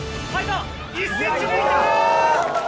１ｃｍ、抜いたー！